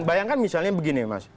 bayangkan misalnya begini mas